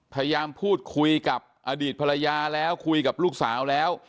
พยายามพูดคุยกับอดีตภรรยาแล้วคุยกับลูกสาวแล้ว